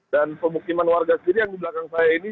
dan pemukiman warga sendiri yang di belakang saya ini